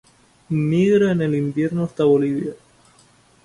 Migra en el invierno hasta Bolivia.